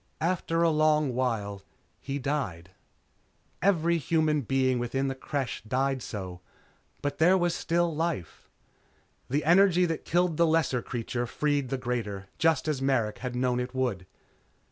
After a long while, he died. Every human being within the Creche died so, but there was still life. The energy that killed the lesser creature freed the greater just as Merrick had known it would.